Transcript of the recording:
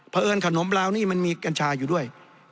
เพราะเอิญขนมราวนี่มันมีกัญชาอยู่ด้วย